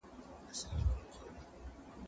زه پرون کالي وچوم وم؟